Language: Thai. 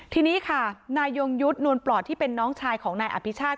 ทีนี้ค่ะนายยงยุทธ์นวลปลอดที่เป็นน้องชายของนายอภิชาติ